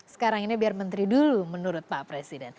sekarang ini biar menteri dulu menurut pak presiden